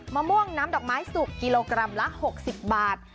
มะม่วงน้ำดอกไม้สุกกิโลกรัมละ๖๐บาท